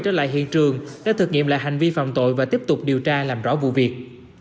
trở lại hiện trường để thực nghiệm lại hành vi phạm tội và tiếp tục điều tra làm rõ vụ việc